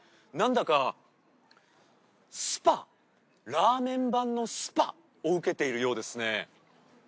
なんだかスパラーメン版のスパを受けているようですね。